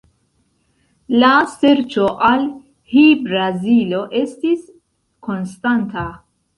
La serĉo al Hi-Brazilo estis konstanta.